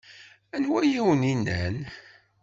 Anwa ay awen-yennan?